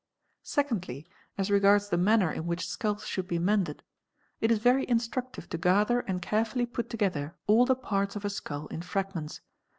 tii CORPSE IDENTIFICATION 161 Secondly, as regards the manner in which skulls should be mended; it is very instructive to gather and carefully put together all the parts of a skull in fragments.